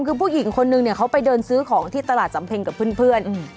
คือผู้หญิงคนนึงเนี่ยเขาไปเดินซื้อของที่ตลาดสำเพ็งกับเพื่อน